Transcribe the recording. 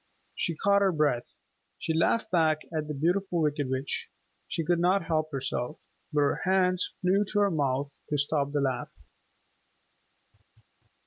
She caught her breath. She laughed back at the Beautiful Wicked Witch. She could not help herself. But her hands flew to her mouth to stop the laugh.